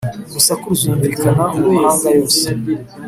urusaku ruzumvikana mu mahanga yose